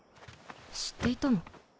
知っていたの？